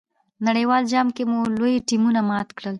نړیوال جام کې مو لوی ټیمونه مات کړل.